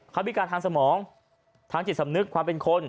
เขาพิการทางสมองทางจิตสำนึกความเป็นคน